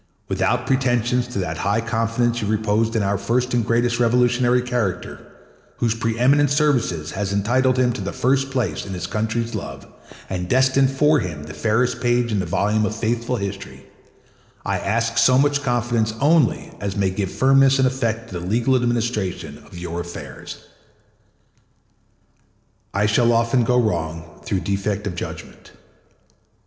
Without pretensions to that high confidence you reposed in our first and greatest revolutionary character, whose preeminent services had entitled him to the first place in his country's love and destined for him the fairest page in the volume of faithful history, I ask so much confidence only as may give firmness and effect to the legal administration of your affairs. I shall often go wrong through defect of judgment.